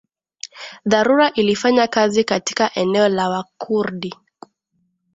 dharura ilifanya kazi katika eneo la Wakurdi